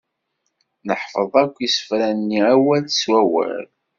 Neḥfeḍ akk isefra-nni awal s wawal.